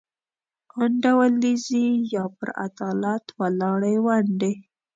انډولیزي یا پر عدالت ولاړې ونډې.